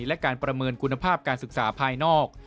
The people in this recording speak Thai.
และการประเมินคุณภาพการศึกษาภายนอก